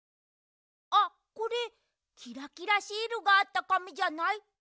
あっこれキラキラシールがあったかみじゃない？